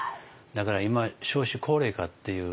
だから今少子高齢化っていう